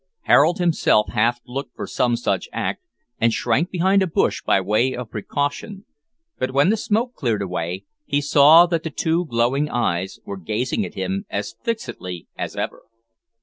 Harold himself half looked for some such act, and shrank behind a bush by way of precaution, but when the smoke cleared away, he saw that the two glowing eyes were gazing at him as fixedly as ever.